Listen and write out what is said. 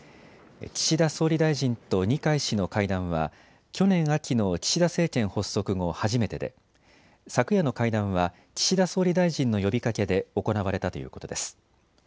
岸田総理大臣と二階氏の会談は去年秋の岸田政権発足後初めてで昨夜の会談は岸田総理大臣の呼びかけで行われたということです。